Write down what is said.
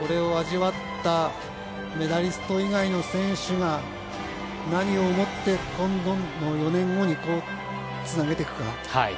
これを味わったメダリスト以外の選手が何を思って今後４年後につなげていくか。